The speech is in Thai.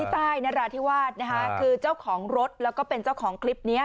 ใต้นราธิวาสนะคะคือเจ้าของรถแล้วก็เป็นเจ้าของคลิปนี้